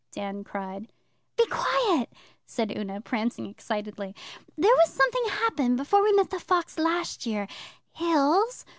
Dan cried. 'Be quiet!' said Una, prancing excitedly. 'There was something happened before we met the fox last year. Hills!